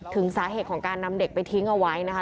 ถึงสาเหตุของการนำเด็กไปทิ้งเอาไว้นะคะ